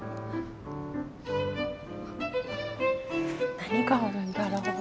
何があるんだろう？